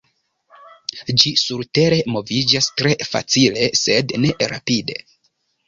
Ĝi surtere moviĝas tre facile, sed ne rapide.